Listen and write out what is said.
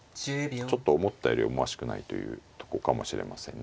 ちょっと思ったより思わしくないというとこかもしれませんね